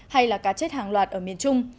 hay cá chết hàng loạt ở miền trung